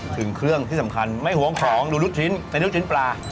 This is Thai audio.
ถึงเครื่องที่สำคัญไม่หวงของดูรุ่นชิ้นในรุ่นชิ้นปลา